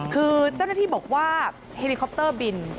คือเจ้าหน้าที่บอกว่าเฮลิคอปเตอร์บิน